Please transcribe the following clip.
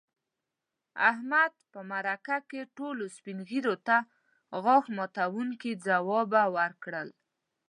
احمد په مرکه کې ټولو سپین ږیرو ته غاښ ماتونکي ځوابوه ورکړل.